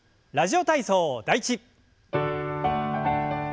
「ラジオ体操第１」。